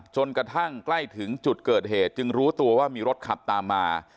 จนกระทั่งใกล้ถึงจุดเกิดเหตุจึงรู้ตัวว่ามีรถขับตามมา